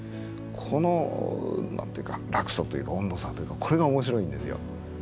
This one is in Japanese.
この何というか落差というか温度差というかこれが面白いんですよ。